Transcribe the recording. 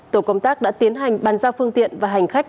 tổ công tác đã tiến hành bàn giao phương tiện và hành khách